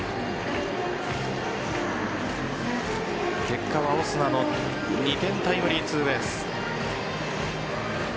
結果はオスナの２点タイムリーツーベース。